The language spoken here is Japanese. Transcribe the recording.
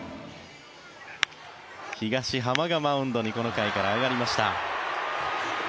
東浜がマウンドにこの回から上がりました。